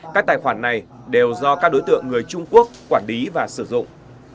các tài khoản này đều do các đối tượng người trung quốc quản lý và sử dụng